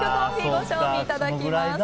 ご賞味いただきます。